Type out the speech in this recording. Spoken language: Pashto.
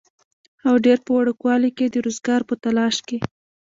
او ډېر پۀ وړوکوالي کښې د روزګار پۀ تالاش کښې